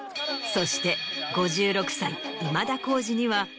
そして５６歳今田耕司には。